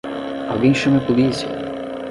Alguém chame a polícia!